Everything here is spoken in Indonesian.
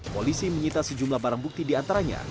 polisi menyita sejumlah barang bukti di antaranya